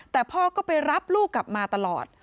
แต่พ่อก็ไปรับลูกกลับมาตลอด